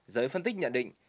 giới phân tích nhận định